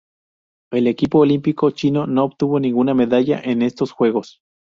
El equipo olímpico chino no obtuvo ninguna medalla en estos Juegos.